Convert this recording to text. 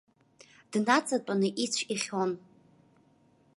Днаҵатәаны ицә ихьон.